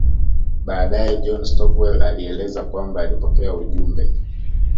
Baadae John Stockwell alieleza kwamba alipokea ujumbe